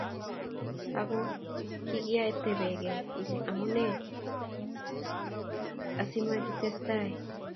Ako kikaitebekei Ile amune ache asimakitesetai?